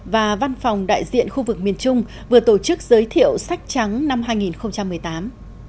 và văn phòng đại diện khu vực miền trung vừa tổ chức giới thiệu sách trắng năm hai nghìn một mươi tám